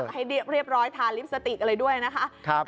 ให้เรียบร้อยทาลิปสติกอะไรด้วยนะคะ